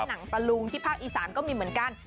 หนังตะลุงที่ภาคอีสานก็มีเหมือนกัน